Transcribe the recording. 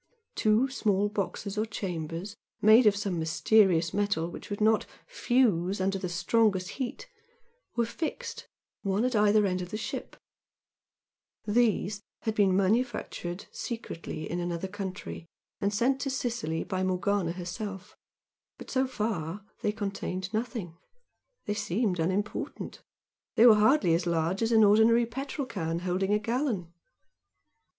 Two small boxes or chambers, made of some mysterious metal which would not "fuse" under the strongest heat, were fixed, one at either end of the ship; these had been manufactured secretly in another country and sent to Sicily by Morgana herself, but so far, they contained nothing. They seemed unimportant they were hardly as large as an ordinary petrol can holding a gallon.